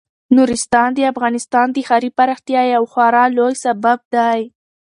نورستان د افغانستان د ښاري پراختیا یو خورا لوی سبب دی.